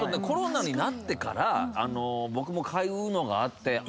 コロナになってから僕も買うのがあって。